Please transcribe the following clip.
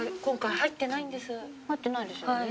入ってないですよね。